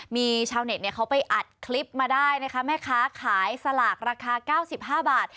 มีชาวเน็ตเขาไปอัดคลิปมาได้นะคะแม่ค้าขายสลากราคา๙๕บาท